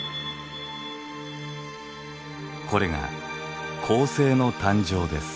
これが恒星の誕生です。